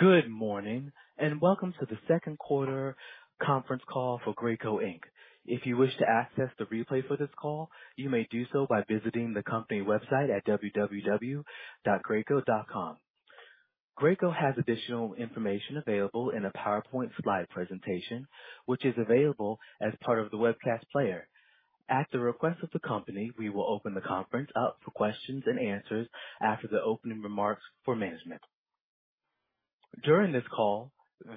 Good morning, and welcome to the second quarter conference call for Graco Inc. If you wish to access the replay for this call, you may do so by visiting the company website at www.graco.com. Graco has additional information available in a PowerPoint slide presentation, which is available as part of the webcast player. At the request of the company, we will open the conference up for questions and answers after the opening remarks for management. During this call,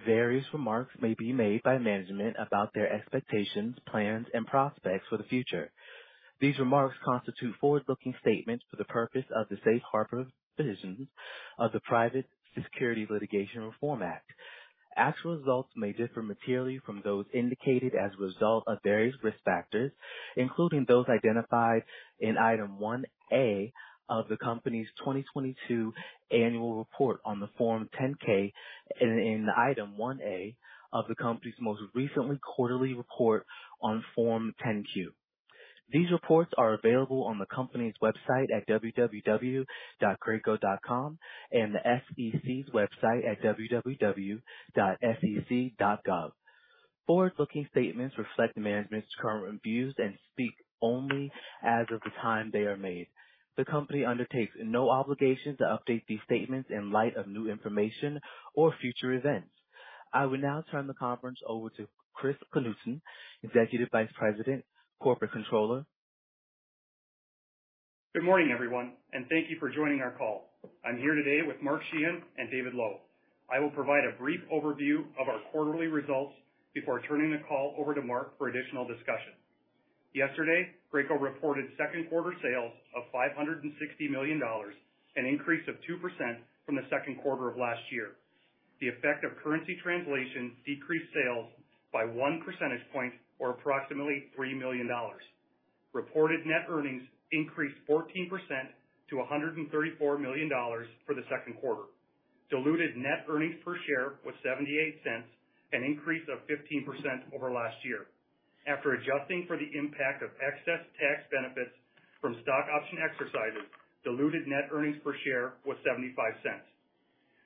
various remarks may be made by management about their expectations, plans, and prospects for the future. These remarks constitute forward-looking statements for the purpose of the safe harbor provisions of the Private Securities Litigation Reform Act. Actual results may differ materially from those indicated as a result of various risk factors, including those identified in Item 1A of the company's 2022 annual report on the Form 10-K and in Item 1A of the company's most recently quarterly report on Form 10-Q. These reports are available on the company's website at www.graco.com and the SEC's website at www.sec.gov. Forward-looking statements reflect management's current views and speak only as of the time they are made. The company undertakes no obligation to update these statements in light of new information or future events. I will now turn the conference over to Chris Knutson, Executive Vice President, Corporate Controller. Good morning, everyone, thank you for joining our call. I'm here today with Mark Sheahan and David Lowe. I will provide a brief overview of our quarterly results before turning the call over to Mark for additional discussion. Yesterday, Graco reported second quarter sales of $560 million, an increase of 2% from the second quarter of last year. The effect of currency translation decreased sales by 1 percentage point or approximately $3 million. Reported net earnings increased 14% to $134 million for the second quarter. Diluted net earnings per share was $0.78, an increase of 15% over last year. After adjusting for the impact of excess tax benefits from stock option exercises, diluted net earnings per share was $0.75.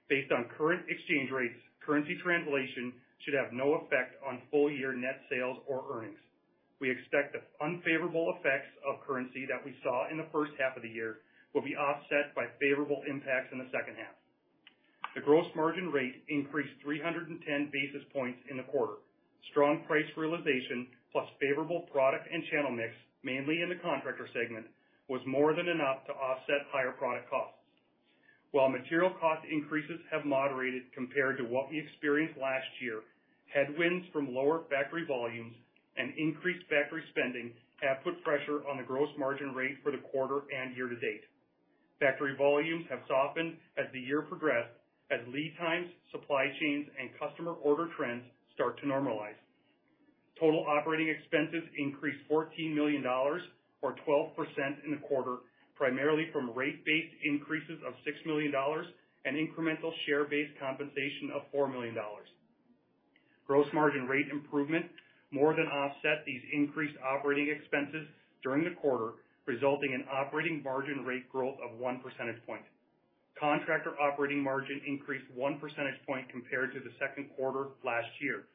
Based on current exchange rates, currency translation should have no effect on full year net sales or earnings. We expect the unfavorable effects of currency that we saw in the first half of the year will be offset by favorable impacts in the second half. The gross margin rate increased 310 basis points in the quarter. Strong price realization, plus favorable product and channel mix, mainly in the Contractor segment, was more than enough to offset higher product costs. While material cost increases have moderated compared to what we experienced last year, headwinds from lower factory volumes and increased factory spending have put pressure on the gross margin rate for the quarter and year-to-date. Factory volumes have softened as the year progressed, as lead times, supply chains, and customer order trends start to normalize. Total operating expenses increased $14 million or 12% in the quarter, primarily from rate-based increases of $6 million and incremental share-based compensation of $4 million. Gross margin rate improvement more than offset these increased operating expenses during the quarter, resulting in operating margin rate growth of 1 percentage point. Contractor operating margin increased 1 percentage point compared to the second quarter last year.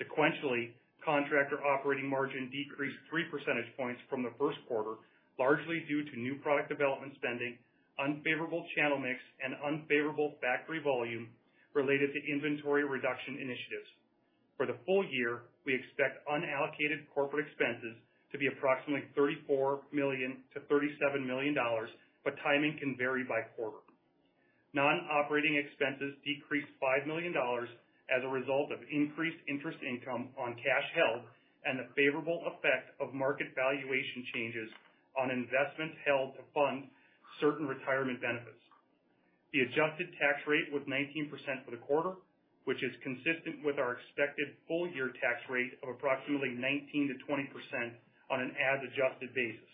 Sequentially, Contractor operating margin decreased 3 percentage points from the first quarter, largely due to new product development spending, unfavorable channel mix, and unfavorable factory volume related to inventory reduction initiatives. For the full year, we expect unallocated corporate expenses to be approximately $34 million-$37 million, but timing can vary by quarter. Non-operating expenses decreased $5 million as a result of increased interest income on cash held and the favorable effect of market valuation changes on investments held to fund certain retirement benefits. The adjusted tax rate was 19% for the quarter, which is consistent with our expected full-year tax rate of approximately 19%-20% on an as-adjusted basis.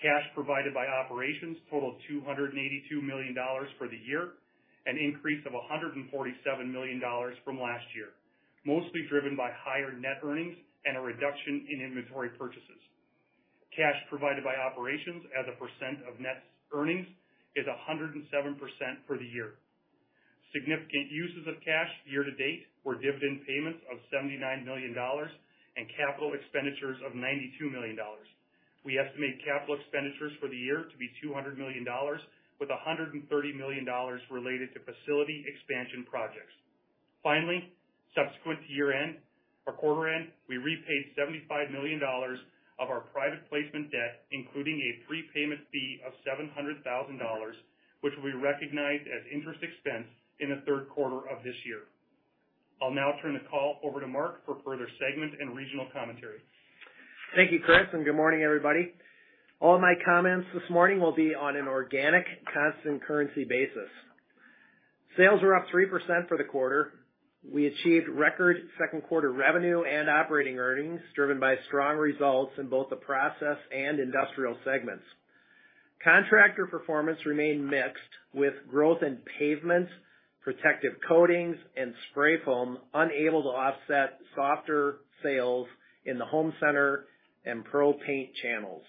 Cash provided by operations totaled $282 million for the year, an increase of $147 million from last year, mostly driven by higher net earnings and a reduction in inventory purchases. Cash provided by operations as a percent of net earnings is 107% for the year. Significant uses of cash year-to-date were dividend payments of $79 million and capital expenditures of $92 million. We estimate capital expenditures for the year to be $200 million, with $130 million related to facility expansion projects. Finally, subsequent to year-end or quarter end, we repaid $75 million of our private placement debt, including a prepayment fee of $700,000, which we recognized as interest expense in the third quarter of this year. I'll now turn the call over to Mark for further segment and regional commentary. Thank you, Chris. Good morning, everybody. All my comments this morning will be on an organic, constant currency basis. Sales are up 3% for the quarter. We achieved record second quarter revenue and operating earnings, driven by strong results in both the Process and Industrial segments. Contractor performance remained mixed, with growth in pavement, protective coatings, and spray foam unable to offset softer sales in the Home Center and Pro paint channels.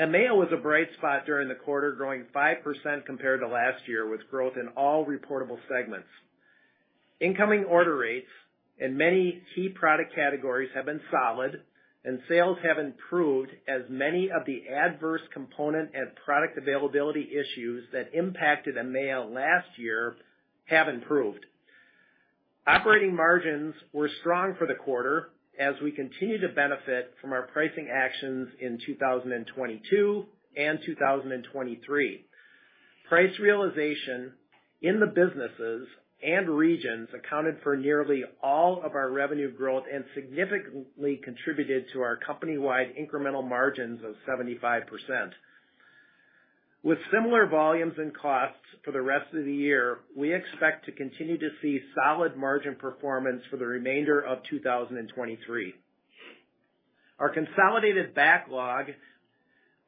EMEA was a bright spot during the quarter, growing 5% compared to last year, with growth in all reportable segments. Incoming order rates in many key product categories have been solid, and sales have improved as many of the adverse component and product availability issues that impacted EMEA last year have improved. Operating margins were strong for the quarter as we continue to benefit from our pricing actions in 2022 and 2023. Price realization in the businesses and regions accounted for nearly all of our revenue growth and significantly contributed to our company-wide incremental margins of 75%. With similar volumes and costs for the rest of the year, we expect to continue to see solid margin performance for the remainder of 2023. Our consolidated backlog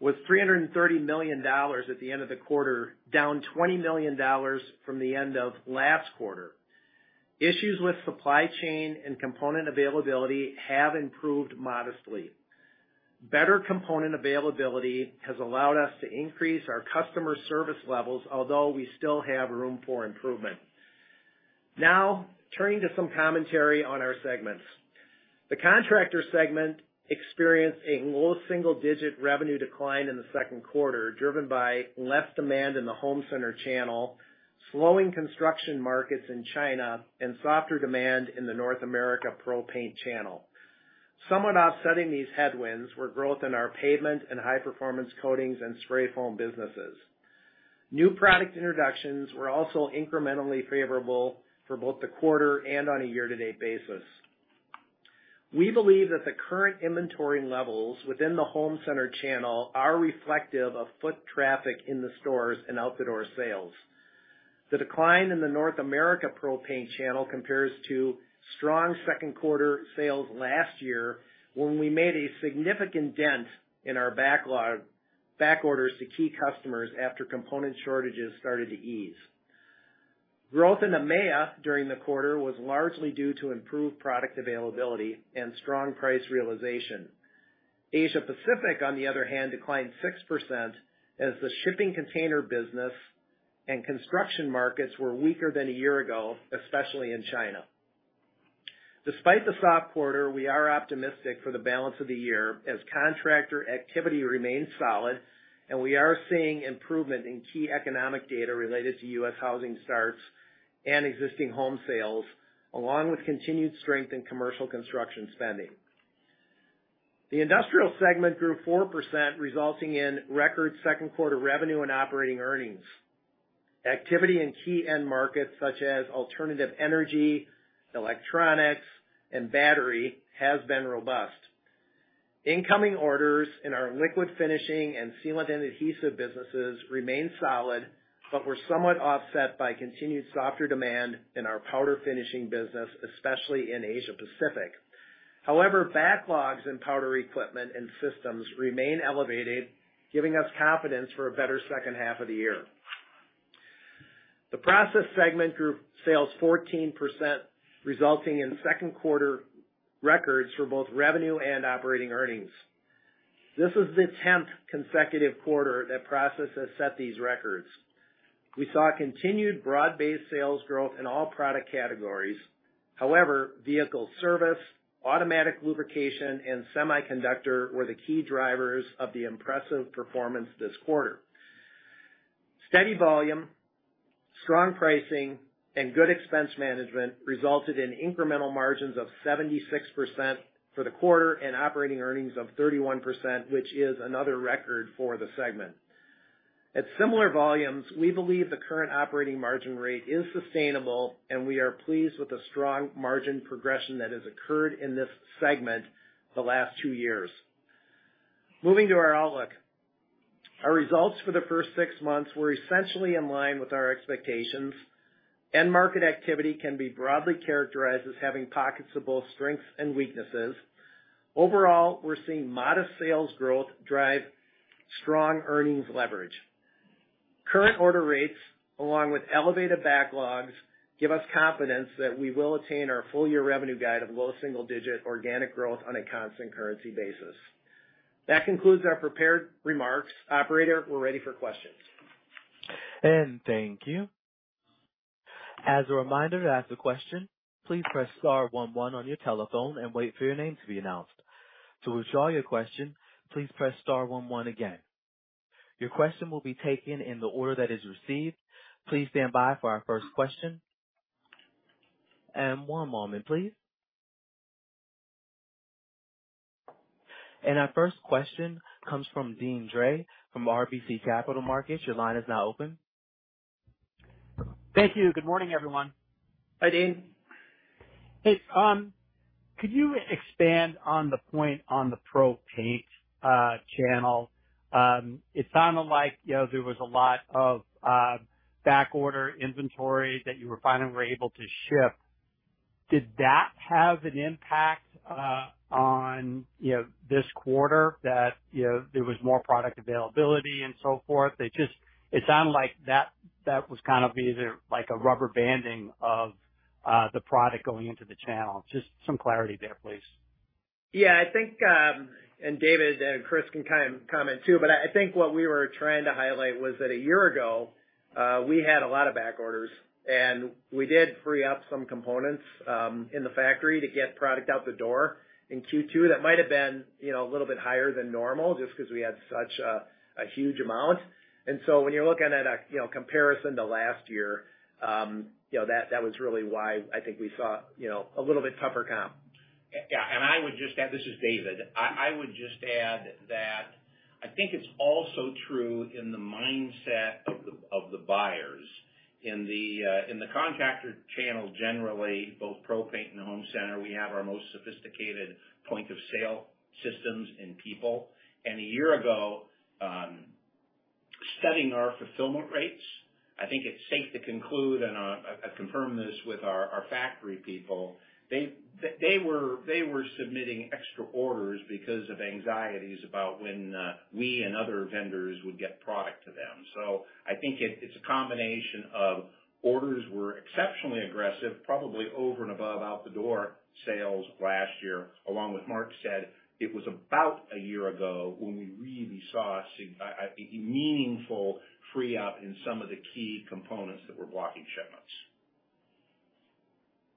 was $330 million at the end of the quarter, down $20 million from the end of last quarter. Issues with supply chain and component availability have improved modestly. Better component availability has allowed us to increase our customer service levels, although we still have room for improvement. Turning to some commentary on our segments. The Contractor segment experienced a low single-digit revenue decline in the second quarter, driven by less demand in the Home Center channel, slowing construction markets in China, and softer demand in the North America Pro Paint channel. Somewhat offsetting these headwinds were growth in our pavement and high-performance coatings and spray foam businesses. New product introductions were also incrementally favorable for both the quarter and on a year-to-date basis. We believe that the current inventory levels within the Home Center channel are reflective of foot traffic in the stores and outdoor sales. The decline in the North America Pro Paint channel compares to strong second quarter sales last year, when we made a significant dent in our backlog, back orders to key customers after component shortages started to ease. Growth in EMEA during the quarter was largely due to improved product availability and strong price realization. Asia Pacific, on the other hand, declined 6% as the shipping container business and construction markets were weaker than a year ago, especially in China. Despite the soft quarter, we are optimistic for the balance of the year as Contractor activity remains solid, and we are seeing improvement in key economic data related to U.S. housing starts and existing home sales, along with continued strength in commercial construction spending. The Industrial segment grew 4%, resulting in record second quarter revenue and operating earnings. Activity in key end markets such as alternative energy, electronics, and battery has been robust. Incoming orders in our liquid finishing and sealant and adhesive businesses remained solid, but were somewhat offset by continued softer demand in our powder finishing business, especially in Asia Pacific. However, backlogs in powder equipment and systems remain elevated, giving us confidence for a better second half of the year. The Process segment grew sales 14%, resulting in second quarter records for both revenue and operating earnings. This is the 10th consecutive quarter that Process has set these records. We saw continued broad-based sales growth in all product categories. Vehicle service, automatic lubrication, and semiconductor were the key drivers of the impressive performance this quarter. Steady volume, strong pricing, and good expense management resulted in incremental margins of 76% for the quarter and operating earnings of 31%, which is another record for the segment. At similar volumes, we believe the current operating margin rate is sustainable, and we are pleased with the strong margin progression that has occurred in this segment the last two years. Moving to our outlook. Our results for the first six months were essentially in line with our expectations. End market activity can be broadly characterized as having pockets of both strengths and weaknesses. Overall, we're seeing modest sales growth drive strong earnings leverage. Current order rates, along with elevated backlogs, give us confidence that we will attain our full year revenue guide of low single digit organic growth on a constant currency basis. That concludes our prepared remarks. Operator, we're ready for questions. Thank you. As a reminder, to ask a question, please press star one one on your telephone and wait for your name to be announced. To withdraw your question, please press star one one again. Your question will be taken in the order that it is received. Please stand by for our first question. One moment, please. Our first question comes from Deane Dray from RBC Capital Markets. Your line is now open. Thank you. Good morning, everyone. Hi, Dean. Hey, could you expand on the point on the Pro Paint channel? It sounded like, you know, there was a lot of backorder inventory that you were finally were able to ship. Did that have an impact on, you know, this quarter that, you know, there was more product availability and so forth? It just, it sounded like that, that was kind of either like a rubber banding of the product going into the channel? Just some clarity there, please. Yeah, I think, and David and Chris can kind of comment too, but I, I think what we were trying to highlight was that a year ago, we had a lot of back orders, and we did free up some components, in the factory to get product out the door in Q2. That might have been, you know, a little bit higher than normal, just because we had such a, a huge amount. When you're looking at a, you know, comparison to last year, you know, that, that was really why I think we saw, you know, a little bit tougher comp. Yeah, I would just add. This is David. I would just add that I think it's also true in the mindset of the buyers. In the Contractor segment, generally, both Pro Paint and Home Center, we have our most sophisticated point-of-sale systems and people. A year ago, studying our fulfillment rates, I think it's safe to conclude, and I've confirmed this with our factory people, they were submitting extra orders because of anxieties about when we and other vendors would get product to them. I think it's a combination of orders were exceptionally aggressive, probably over and above out the door sales last year, along with Mark said, it was about a year ago when we really saw a meaningful free up in some of the key components that were blocking shipments.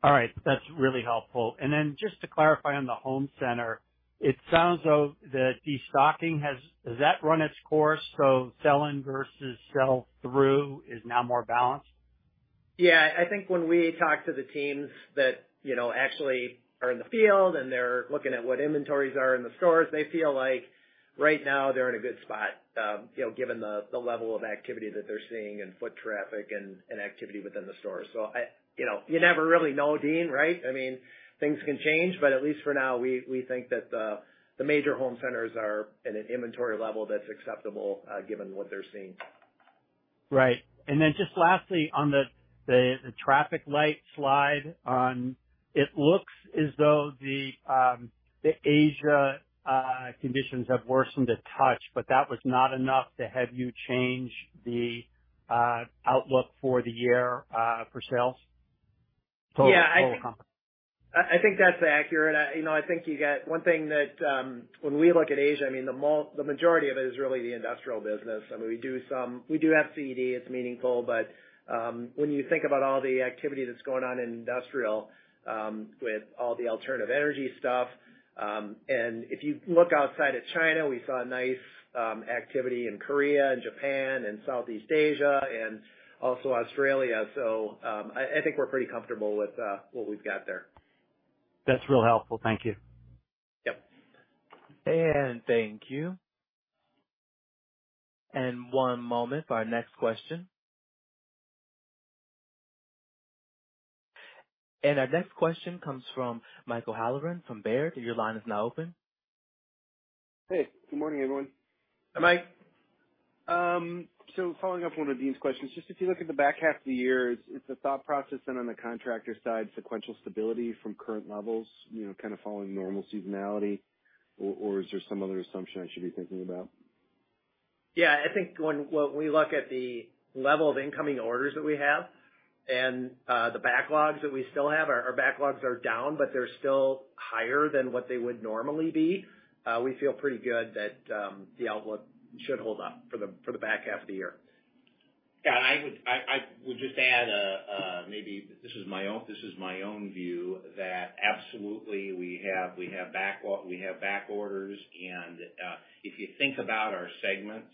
All right. That's really helpful. Just to clarify on the Home Center, it sounds though, that destocking, does that run its course, so sell in versus sell through is now more balanced? I think when we talk to the teams that, you know, actually are in the field, and they're looking at what inventories are in the stores, they feel like right now they're in a good spot, you know, given the, the level of activity that they're seeing in foot traffic and activity within the store. You know, you never really know, Dean, right? I mean, things can change, but at least for now, we think that the major Home Centers are at an inventory level that's acceptable, given what they're seeing. Right. Just lastly, on the traffic light slide, it looks as though the Asia conditions have worsened a touch, but that was not enough to have you change the outlook for the year, for sales? Yeah. Total comp. I think that's accurate. you know, I think one thing that, when we look at Asia, I mean, the majority of it is really the industrial business. I mean, we do some, we do have CED, it's meaningful, but when you think about all the activity that's going on in industrial, with all the alternative energy stuff, and if you look outside of China, we saw nice activity in Korea and Japan and Southeast Asia and also Australia. I think we're pretty comfortable with what we've got there. That's real helpful. Thank you. Yep. Thank you. One moment for our next question. Our next question comes from Michael Halloran, from Baird. Your line is now open. Hey, good morning, everyone. Hi, Mike. Following up on one of Dean's questions, just if you look at the back half of the year, is the thought process then on the Contractor side, sequential stability from current levels, you know, kind of following normal seasonality, or is there some other assumption I should be thinking about? I think when we look at the level of incoming orders that we have and the backlogs that we still have, our backlogs are down, but they're still higher than what they would normally be. We feel pretty good that the outlook should hold up for the back half of the year. Yeah, I would just add, maybe this is my own view, that absolutely we have backlog, we have back orders. If you think about our segments,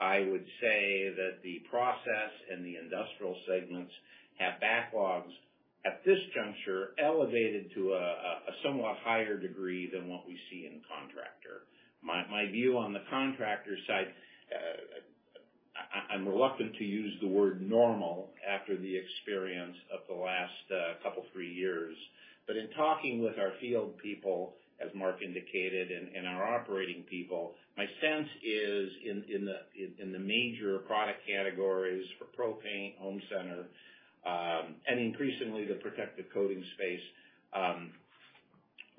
I would say that the Process and the Industrial segments have backlogs at this juncture, elevated to a somewhat higher degree than what we see in Contractor. My view on the Contractor side, I'm reluctant to use the word normal after the experience of the last couple, three years. In talking with our field people, as Mark indicated, and our operating people, my sense is in the major product categories for Pro Paint, Home Center, and increasingly the protective coating space,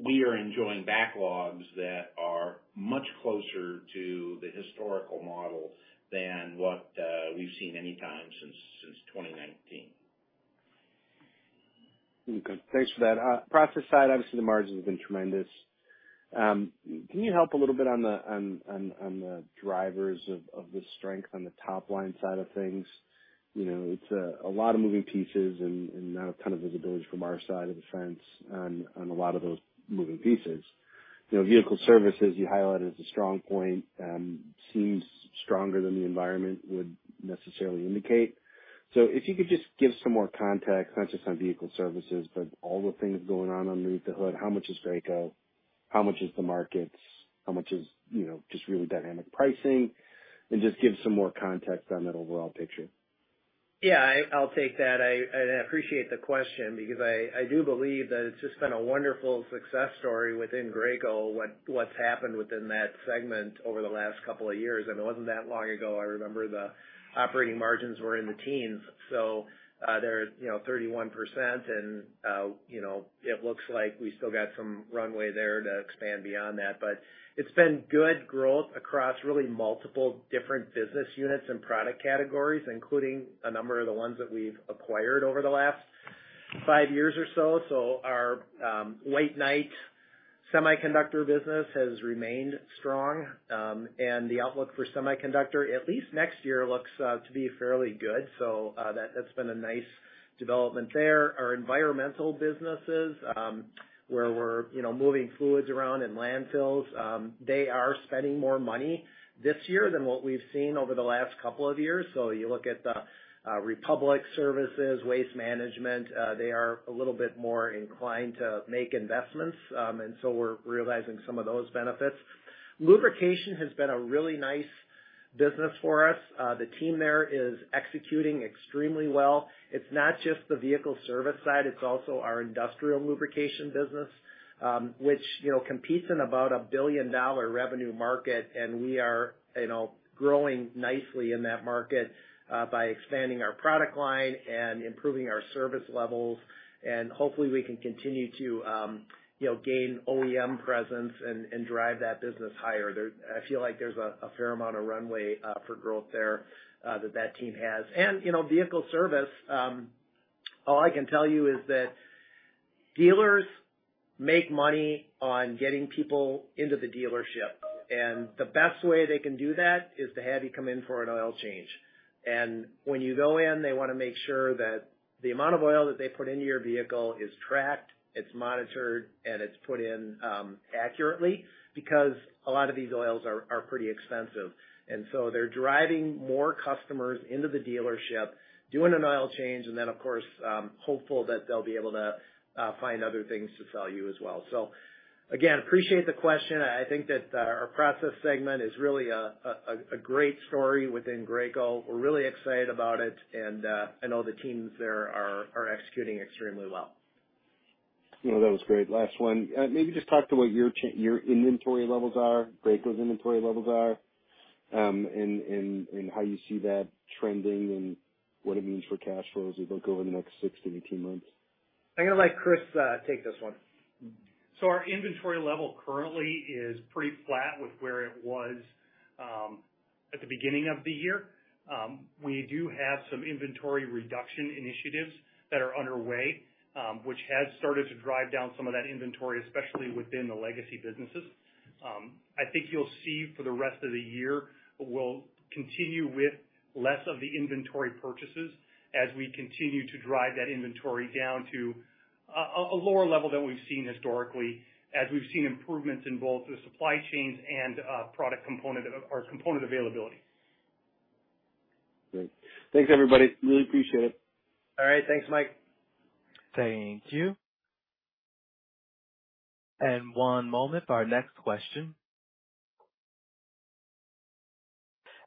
we are enjoying backlogs that are much closer to the historical model than what we've seen anytime since 2019. Okay. Thanks for that. Process segment, obviously, the margins have been tremendous. Can you help a little bit on the drivers of the strength on the top line side of things? You know, it's a lot of moving pieces and not a ton of visibility from our side of the fence on a lot of those moving pieces. You know, vehicle service you highlighted as a strong point, seems stronger than the environment would necessarily indicate. If you could just give some more context, not just on vehicle service, but all the things going on underneath the hood. How much is Graco? How much is the markets? How much is, you know, just really dynamic pricing, and just give some more context on that overall picture. Yeah, I, I'll take that. I, I appreciate the question because I, I do believe that it's just been a wonderful success story within Graco, what's happened within that segment over the last couple of years. It wasn't that long ago, I remember the operating margins were in the teens, they're, you know, 31, you know, it looks like we still got some runway there to expand beyond that. It's been good growth across really multiple different business units and product categories, including a number of the ones that we've acquired over the last five years or so. Our White Knight Semiconductor business has remained strong, and the outlook for semiconductor, at least next year, looks to be fairly good. That's been a nice development there. Our environmental businesses, where we're, you know, moving fluids around in landfills, they are spending more money this year than what we've seen over the last couple of years. You look at the Republic Services, Waste Management, they are a little bit more inclined to make investments, we're realizing some of those benefits. Lubrication has been a really nice business for us. The team there is executing extremely well. It's not just the vehicle service side, it's also our industrial lubrication business, which, you know, competes in about a $1 billion revenue market, we are, you know, growing nicely in that market by expanding our product line and improving our service levels. Hopefully we can continue to, you know, gain OEM presence and drive that business higher. I feel like there's a fair amount of runway for growth there that that team has. You know, vehicle service, all I can tell you is that dealers make money on getting people into the dealership, and the best way they can do that is to have you come in for an oil change. When you go in, they wanna make sure that the amount of oil that they put into your vehicle is tracked, it's monitored, and it's put in accurately, because a lot of these oils are pretty expensive. They're driving more customers into the dealership, doing an oil change, and then, of course, hopeful that they'll be able to find other things to sell you as well. Again, appreciate the question. I think that, our Process segment is really a great story within Graco. We're really excited about it, and I know the teams there are executing extremely well. You know, that was great. Last one, maybe just talk to what your inventory levels are, Graco's inventory levels are, and how you see that trending and what it means for cash flows as we go over the next six to 18 months. I'm gonna let Chris, take this one. Our inventory level currently is pretty flat with where it was at the beginning of the year. We do have some inventory reduction initiatives that are underway, which has started to drive down some of that inventory, especially within the legacy businesses. I think you'll see for the rest of the year, we'll continue with less of the inventory purchases as we continue to drive that inventory down to a lower level than we've seen historically, as we've seen improvements in both the supply chains and component availability. Great. Thanks, everybody. Really appreciate it. All right, thanks, Mike. Thank you. One moment for our next question.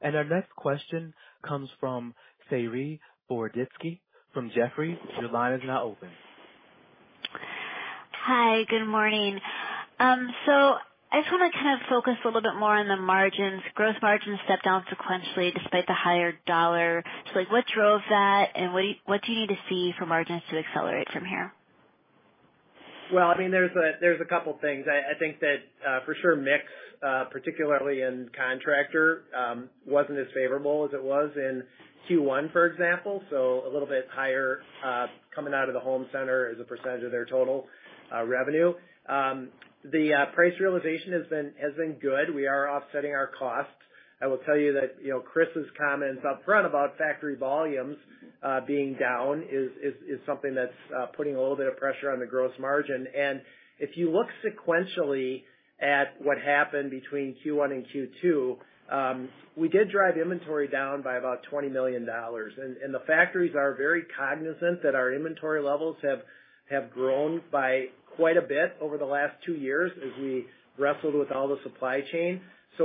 Our next question comes from Saree Boroditsky from Jefferies. Your line is now open. Hi, good morning. I just wanna kind of focus a little bit more on the margins. Gross margins stepped down sequentially despite the higher dollar. Like, what drove that, and what do you need to see for margins to accelerate from here? Well, I mean, there's a couple things. I think that, for sure, mix, particularly in Contractor, wasn't as favorable as it was in Q1, for example. A little bit higher, coming out of the Home Center as a percentage of their total revenue. The price realization has been good. We are offsetting our costs. I will tell you that, you know, Chris's comments up front about factory volumes, being down is something that's putting a little bit of pressure on the gross margin. If you look sequentially at what happened between Q1 and Q2, we did drive inventory down by about $20 million. The factories are very cognizant that our inventory levels have grown by quite a bit over the last two years as we wrestled with all the supply chain.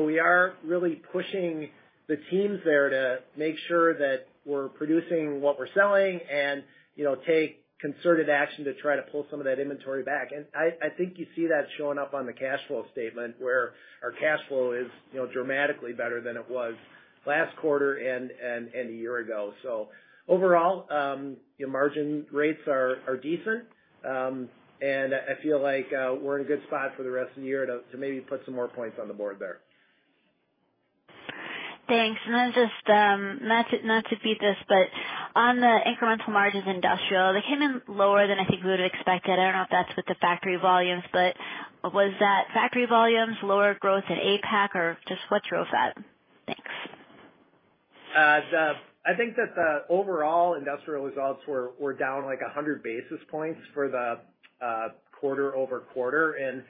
We are really pushing the teams there to make sure that we're producing what we're selling and, you know, take concerted action to try to pull some of that inventory back. I, I think you see that showing up on the cash flow statement, where our cash flow is, you know, dramatically better than it was last quarter and a year ago. Overall, your margin rates are decent. I, I feel like we're in a good spot for the rest of the year to maybe put some more points on the board there. Thanks. Then just, not to beat this, but on the incremental margins, Industrial, they came in lower than I think we would've expected. I don't know if that's with the factory volumes, was that factory volumes, lower growth in APAC, or just what drove that? Thanks. I think that the overall Industrial results were down like 100 basis points for the quarter-over-quarter.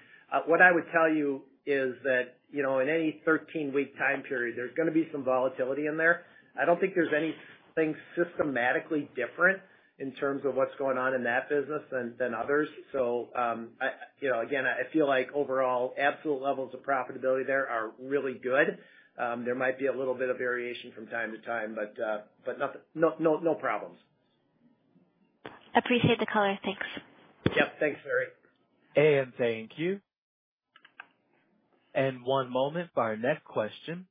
What I would tell you is that, you know, in any 13-week time period, there's gonna be some volatility in there. I don't think there's anything systematically different in terms of what's going on in that business than others. You know, again, I feel like overall absolute levels of profitability there are really good. There might be a little bit of variation from time to time, but nothing. No problems. Appreciate the color. Thanks. Yep. Thanks, Saree. Thank you. One moment for our next question.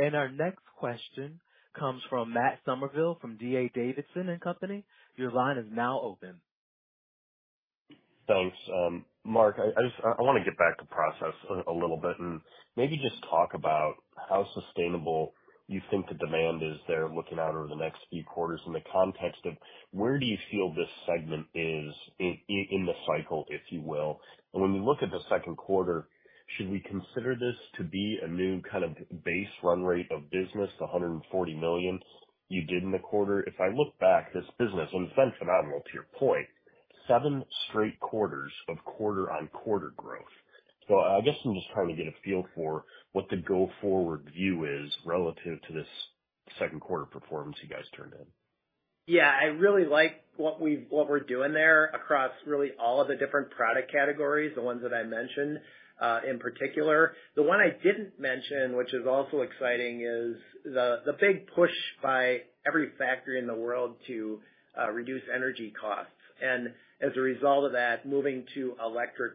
Our next question comes from Matt Summerville, from D.A. Davidson & Companies. Your line is now open. Thanks. Mark, I just wanna get back to Process a little bit, and maybe just talk about how sustainable you think the demand is there looking out over the next few quarters in the context of where do you feel this segment is in the cycle, if you will? When you look at the second quarter, should we consider this to be a new kind of base run rate of business, the $140 million you did in the quarter? If I look back, this business, and it's been phenomenal, to your point, seven straight quarters of quarter-on-quarter growth. I guess I'm just trying to get a feel for what the go forward view is relative to this second quarter performance you guys turned in. I really like what we're doing there across really all of the different product categories, the ones that I mentioned, in particular. The one I didn't mention, which is also exciting, is the big push by every factory in the world to reduce energy costs. As a result of that, moving to electric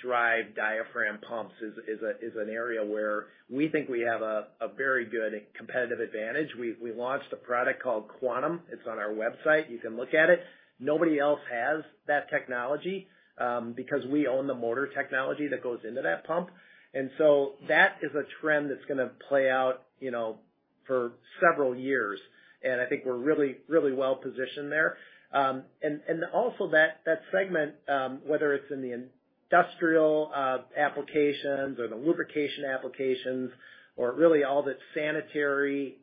drive diaphragm pumps is an area where we think we have a very good competitive advantage. We launched a product called QUANTM. It's on our website. You can look at it. Nobody else has that technology because we own the motor technology that goes into that pump. That is a trend that's gonna play out, you know, for several years, and I think we're really, really well positioned there. Also that, that segment, whether it's in the industrial applications or the lubrication applications or really all the sanitary,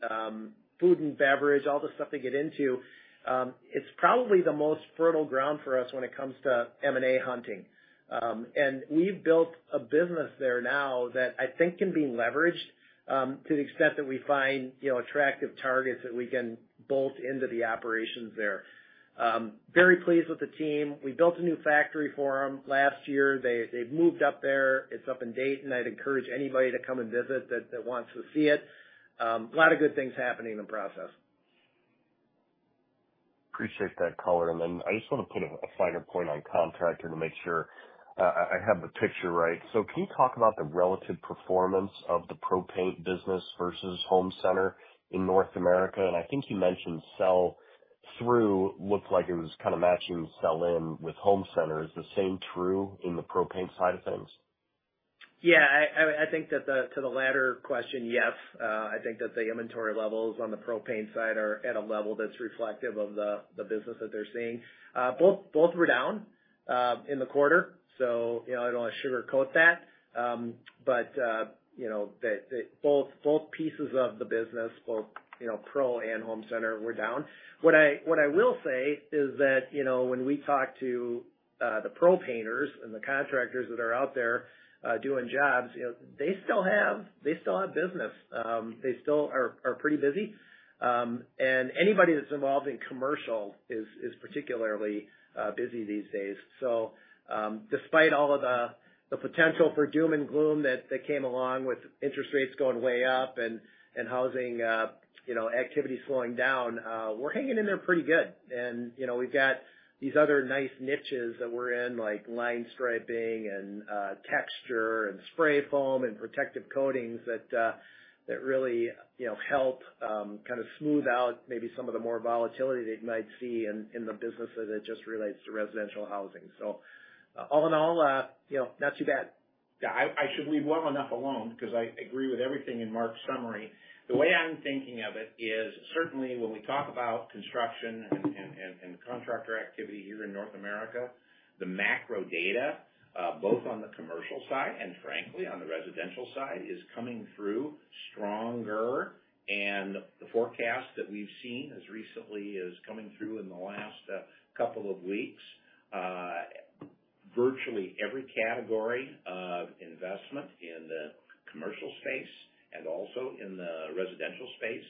food and beverage, all the stuff they get into, it's probably the most fertile ground for us when it comes to M&A hunting. We've built a business there now that I think can be leveraged to the extent that we find, you know, attractive targets that we can bolt into the operations there. Very pleased with the team. We built a new factory for them last year. They, they've moved up there. It's up in Dayton, and I'd encourage anybody to come and visit that, that wants to see it. A lot of good things happening in the Process. Appreciate that color. Then I just wanna put a finer point on Contractor to make sure I have the picture right. Can you talk about the relative performance of the Pro Paint business versus Home Center in North America? I think you mentioned sell through looked like it was kind of matching sell in with Home Center. Is the same true in the Pro Paint side of things? Yeah, I think that to the latter question, yes. I think that the inventory levels on the Pro Paint side are at a level that's reflective of the business that they're seeing. Both were down in the quarter, so, you know, I don't wanna sugarcoat that. You know, both pieces of the business, both, you know, Pro and Home Center were down. What I will say is that, you know, when we talk to the Pro Painters and the Contractors that are out there doing jobs, you know, they still have, they still have business. They still are pretty busy. Anybody that's involved in commercial is particularly busy these days. Despite all of the potential for doom and gloom that came along with interest rates going way up and housing, you know, activity slowing down, we're hanging in there pretty good. You know, we've got these other nice niches that we're in, like line striping and texture and spray foam and protective coatings that really, you know, help kind of smooth out maybe some of the more volatility that you might see in the businesses that just relates to residential housing. All in all, you know, not too bad. Yeah, I, I should leave well enough alone because I agree with everything in Mark's summary. The way I'm thinking of it is, certainly when we talk about construction and, and, and Contractor activity here in North America, the macro data, both on the commercial side and frankly, on the residential side, is coming through stronger. The forecast that we've seen as recently as coming through in the last couple of weeks, virtually every category of investment in the commercial space and also in the residential space,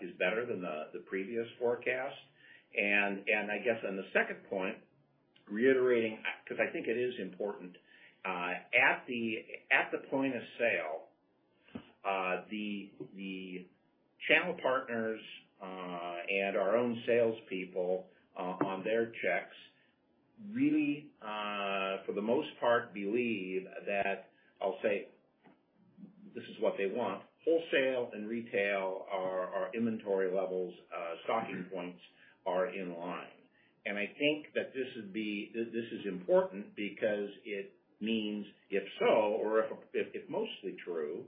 is better than the previous forecast. I guess on the second point, reiterating, 'cause I think it is important, at the point-of-sale, the channel partners, and our own salespeople, on their checks, really, for the most part, believe that I'll say this is what they want: wholesale and retail are inventory levels, stocking points are in line. I think that this would be... this is important because it means, if so, or if mostly true,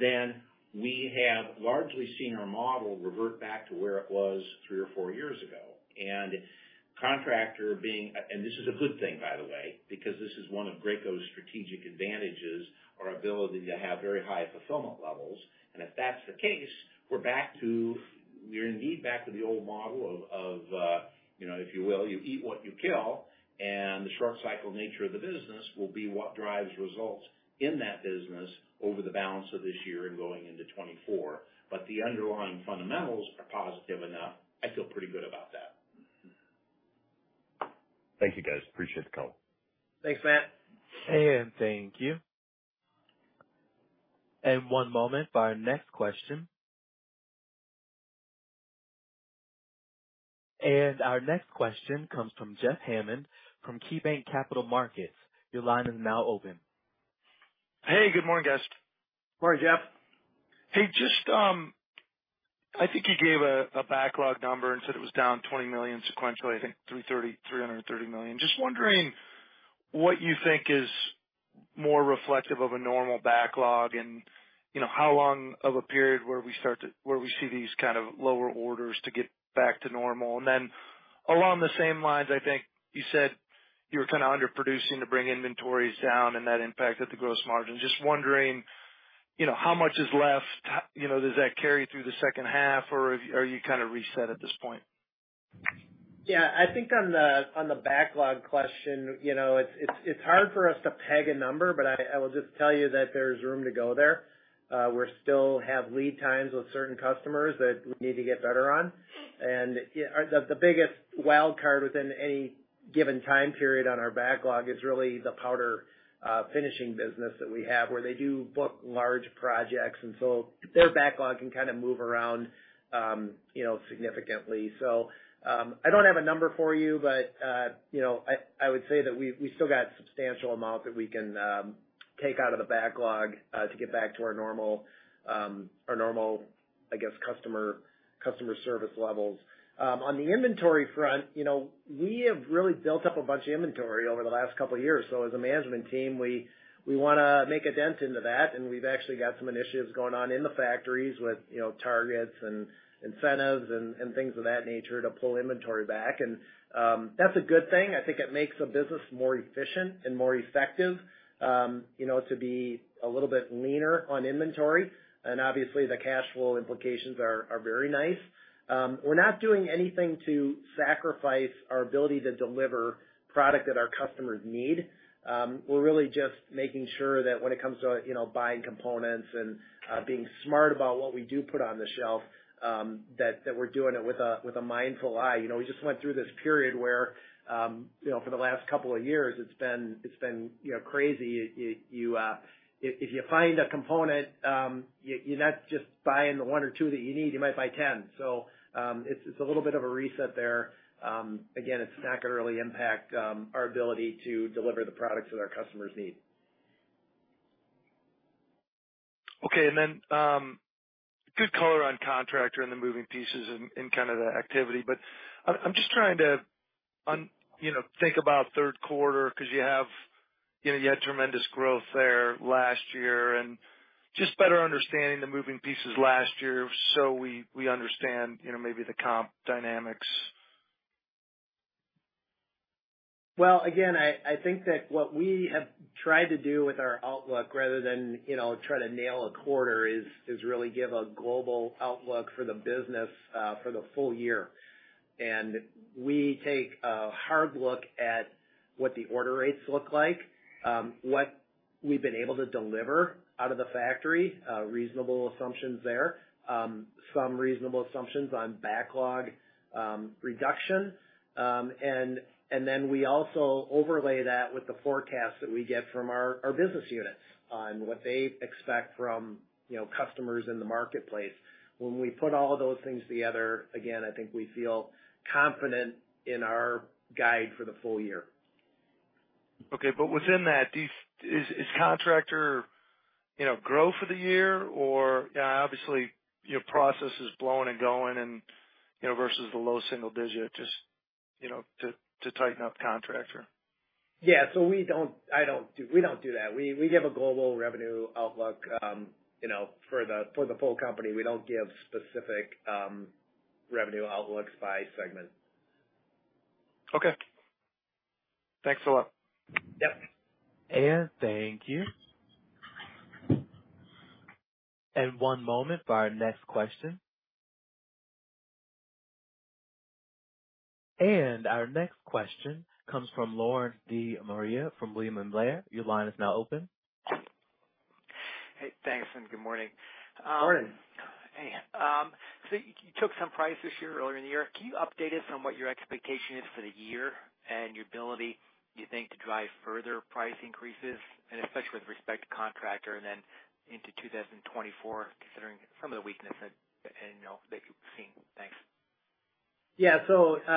then we have largely seen our model revert back to where it was three or four years ago. This is a good thing, by the way, because this is one of Graco's strategic advantages, our ability to have very high fulfillment levels. If that's the case, we're back to... We're indeed back to the old model of, you know, if you will, you eat what you kill. The short cycle nature of the business will be what drives results in that business over the balance of this year and going into 2024. The underlying fundamentals are positive enough. I feel pretty good about that. Thank you, guys. Appreciate the call. Thanks, Matt. Thank you. One moment for our next question. Our next question comes from Jeff Hammond, from KeyBanc Capital Markets. Your line is now open. Hey, good morning, guys. Morning, Jeff. Hey, just, I think you gave a backlog number and said it was down $20 million sequentially, I think $330 million? Just wondering what you think is more reflective of a normal backlog and, you know, how long of a period where we see these kind of lower orders to get back to normal? Then along the same lines, I think you said you were kind of underproducing to bring inventories down, and that impacted the gross margin. Just wondering, you know, how much is left? You know, does that carry through the second half or are you kind of reset at this point? Yeah, I think on the backlog question, you know, it's hard for us to peg a number, but I will just tell you that there's room to go there. We're still have lead times with certain customers that we need to get better on. Yeah, the biggest wild card within any given time period on our backlog is really the Powder Finishing business that we have, where they do book large projects, so their backlog can kind of move around, you know, significantly. I don't have a number for you, but, you know, I would say that we still got substantial amount that we can take out of the backlog to get back to our normal, our normal, I guess, customer service levels. On the inventory front, you know, we have really built up a bunch of inventory over the last couple of years. As a management team, we wanna make a dent into that, and we've actually got some initiatives going on in the factories with, you know, targets and incentives and things of that nature to pull inventory back. That's a good thing. I think it makes the business more efficient and more effective, you know, to be a little bit leaner on inventory. Obviously the cash flow implications are very nice. We're not doing anything to sacrifice our ability to deliver product that our customers need. We're really just making sure that when it comes to, you know, buying components and being smart about what we do put on the shelf, that we're doing it with a mindful eye. You know, we just went through this period where, you know, for the last couple of years, it's been, you know, crazy. You, if you find a component, you're not just buying the one or two that you need, you might buy ten. It's a little bit of a reset there. Again, it's not gonna really impact our ability to deliver the products that our customers need. Okay. Then, good color on Contractor and the moving pieces in, in kind of the activity. I'm just trying to, you know, think about third quarter because you have, you know, you had tremendous growth there last year and just better understanding the moving pieces last year, so we, we understand, you know, maybe the comp dynamics. Well, again, I, I think that what we have tried to do with our outlook rather than, you know, try to nail a quarter is, is really give a global outlook for the business for the full year. We take a hard look at what the order rates look like, what we've been able to deliver out of the factory, reasonable assumptions there, some reasonable assumptions on backlog reduction. Then we also overlay that with the forecast that we get from our, our business units on what they expect from, you know, customers in the marketplace. When we put all those things together, again, I think we feel confident in our guide for the full year. Okay. Within that, is Contractor, you know, grow for the year or, obviously, your Process is blowing and going and, you know, versus the low single digit, just, you know, to tighten up Contractor? Yeah. We don't do that. We give a global revenue outlook, you know, for the full company. We don't give specific, revenue outlook by segment. Okay. Thanks a lot. Yep. Thank you. One moment for our next question. Our next question comes from Lawrence De Maria from William Blair. Your line is now open. Hey, thanks, and good morning. Morning! Hey, you took some prices this year, earlier in the year. Can you update us on what your expectation is for the year and your ability, you think, to drive further price increases, and especially with respect to Contractor and then into 2024, considering some of the weakness that, you know, that you've seen? Thanks. Yeah.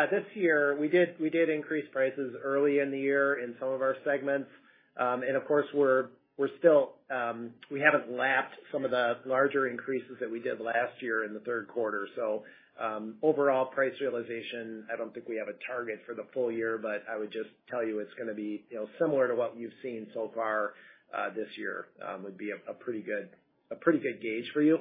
This year we did increase prices early in the year in some of our segments. Of course, we're still, we haven't lapped some of the larger increases that we did last year in the third quarter. Overall price realization, I don't think we have a target for the full year, but I would just tell you it's gonna be, you know, similar to what you've seen so far this year would be a pretty good gauge for you.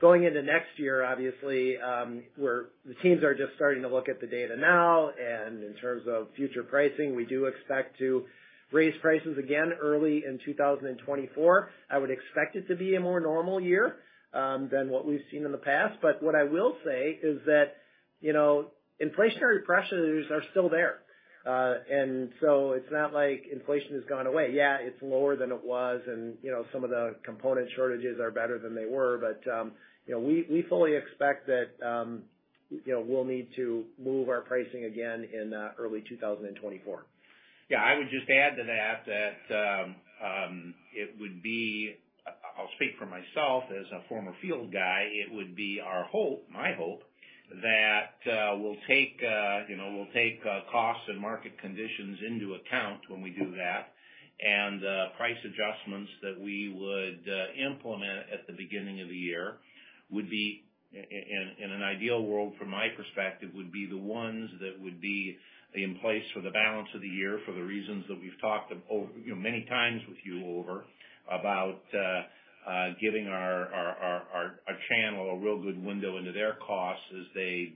Going into next year, obviously, the teams are just starting to look at the data now, and in terms of future pricing, we do expect to raise prices again early in 2024. I would expect it to be a more normal year than what we've seen in the past. What I will say is that, you know, inflationary pressures are still there. So it's not like inflation has gone away. Yeah, it's lower than it was, and, you know, some of the component shortages are better than they were, you know, we, we fully expect that, you know, we'll need to move our pricing again in early 2024. Yeah, I would just add to that, it would be... I'll speak for myself as a former field guy, it would be our hope, my hope, that, you know, we'll take costs and market conditions into account when we do that. Price adjustments that we would implement at the beginning of the year would be in an ideal world, from my perspective, would be the ones that would be in place for the balance of the year, for the reasons that we've talked over, you know, many times with you over about giving our channel a real good window into their costs as they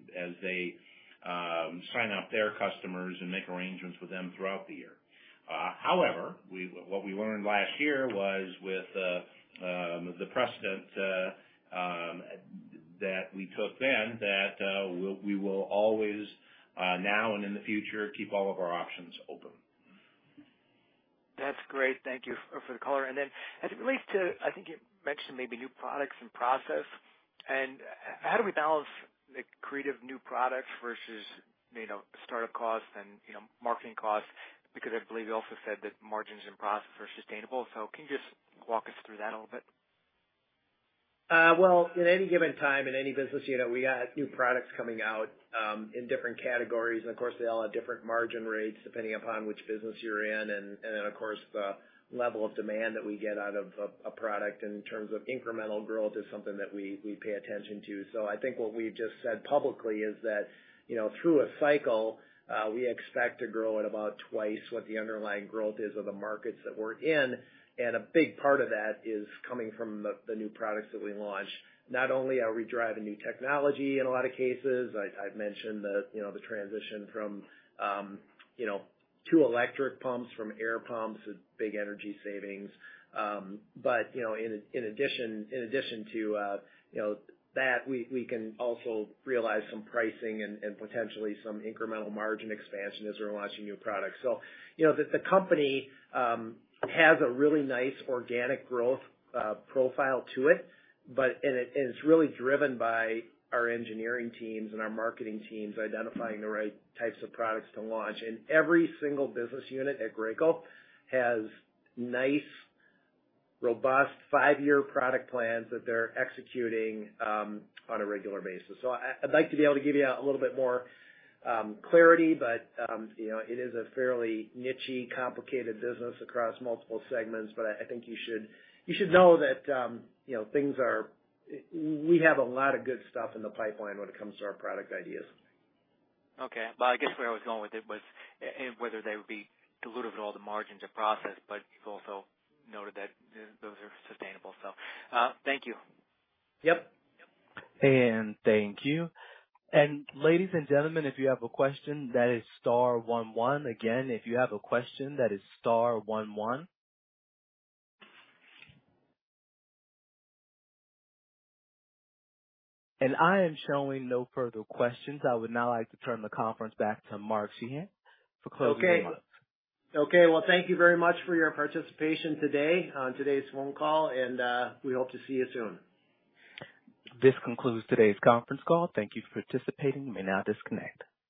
sign up their customers and make arrangements with them throughout the year. However, what we learned last year was with the precedent that we took then, that we will always, now and in the future, keep all of our options open. That's great. Thank you for the color. As it relates to, I think you mentioned maybe new products and process, and how do we balance the creative new products versus, you know, startup costs and, you know, marketing costs? Because I believe you also said that margins and profits are sustainable. Can you just walk us through that a little bit? Well, at any given time in any business unit, we got new products coming out, in different categories, and of course, they all have different margin rates, depending upon which business you're in. Then, of course, the level of demand that we get out of a product in terms of incremental growth is something that we pay attention to. I think what we just said publicly is that, you know, through a cycle, we expect to grow at about 2x what the underlying growth is of the markets that we're in. A big part of that is coming from the new products that we launch. Not only are we driving new technology in a lot of cases, I've mentioned the, you know, the transition from, you know, to electric pumps from air pumps, big energy savings. You know, in addition to, you know, that, we can also realize some pricing and potentially some incremental margin expansion as we're launching new products. You know, the company has a really nice organic growth profile to it, but... It's really driven by our engineering teams and our marketing teams identifying the right types of products to launch. Every single business unit at Graco has nice, robust five-year product plans that they're executing on a regular basis. I'd like to be able to give you a little bit more clarity, but, you know, it is a fairly nichey, complicated business across multiple segments, but I think you should know that, you know, things are... We have a lot of good stuff in the pipeline when it comes to our product ideas. Okay. Well, I guess where I was going with it was and whether they would be dilutive at all the margins or Process, but you've also noted that those are sustainable. Thank you. Yep. Thank you. Ladies and gentlemen, if you have a question, that is star one one. Again, if you have a question, that is star one one. I am showing no further questions. I would now like to turn the conference back to Mark Sheahan for closing remarks. Okay. Well, thank you very much for your participation today on today's phone call. We hope to see you soon. This concludes today's conference call. Thank you for participating. You may now disconnect.